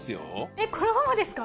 えっこのままですか？